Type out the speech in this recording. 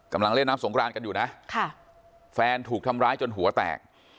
กำลังเล่นน้ำสงครานกันอยู่นะค่ะแฟนถูกทำร้ายจนหัวแตก